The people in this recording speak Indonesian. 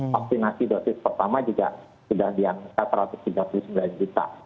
vaksinasi dosis pertama juga sudah diangkat satu ratus tiga puluh sembilan juta